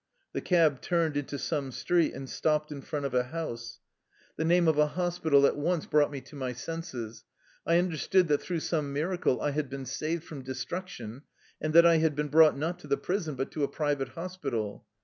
The cab turned into some street, and stopped in front of a house. The name of a hospital at 146 THE LIFE STOKY OF A RUSSIAN EXILE once brought me to my senses. I understood that through some miracle I had been saved from destruction, and that I had been brought, not to the prison, but to a private hospital.